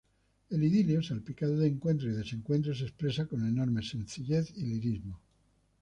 El idilio, salpicado de encuentros y desencuentros, se expresa con enorme sencillez y lirismo.